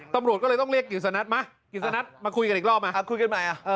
ตำรวจก็เลยต้องเรียกกิลสะนัดมามาคุยกันอีกรอบมาคุยกันใหม่อ่ะ